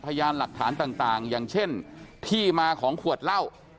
พยานหลักฐานต่างอย่างเช่นที่มาของขวดเหล้า